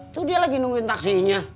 tuh dia lagi nungguin taksinya